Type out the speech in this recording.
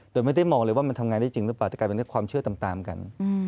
โดยไม่ได้มองเลยว่ามันทำงานได้จริงหรือเปล่าแต่กลายเป็นเรื่องความเชื่อตามกัน